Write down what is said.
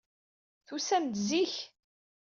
Tusam-d zik.